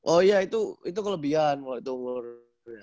oh iya itu kelebihan kalau itu umur